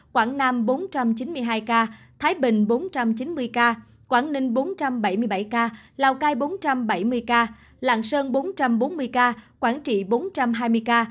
quảng nam bốn trăm chín mươi hai ca thái bình bốn trăm chín mươi ca quảng ninh bốn trăm bảy mươi bảy ca lào cai bốn trăm bảy mươi ca lạng sơn bốn trăm bốn mươi ca quảng trị bốn trăm hai mươi ca